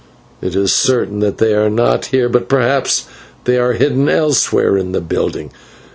It is certain that they are not here, but perhaps they are hidden elsewhere in the building.